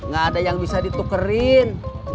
gak ada yang bisa ditukerin